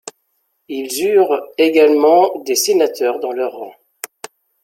Ils eurent également des sénateurs dans leurs rangs.